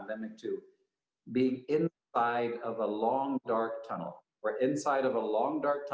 tetapi bagian terakhir dari globalisasi adalah regionalisasi